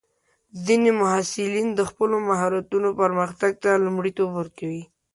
ځینې محصلین د خپلو مهارتونو پرمختګ ته لومړیتوب ورکوي.